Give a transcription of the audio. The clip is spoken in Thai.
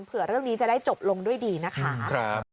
เผื่อเรื่องนี้จะได้จบลงด้วยดีนะคะ